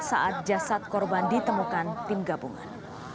saat jasad korban ditemukan tim gabungan